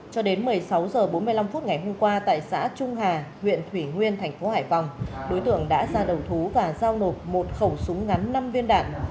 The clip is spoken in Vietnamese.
cho đến một mươi sáu h bốn mươi năm phút ngày hôm qua tại xã trung hà huyện thủy nguyên thành phố hải phòng đối tượng đã ra đầu thú và giao nộp một khẩu súng ngắn năm viên đạn